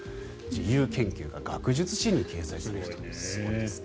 自由研究が学術誌に掲載されたということです。